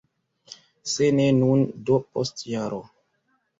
Se ne nun, do post jaro.